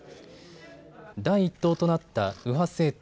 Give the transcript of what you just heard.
第１党となった右派政党